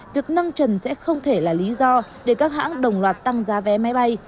việc nâng trần sẽ không thể là lý do để các hãng đồng loạt tăng giá vé máy bay